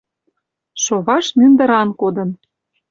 Шоваш мӱндыран кодын.